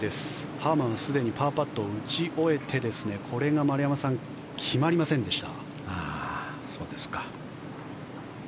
ハーマンはすでにパーパットを打ち終えてこれが丸山さん、決まりませんでした。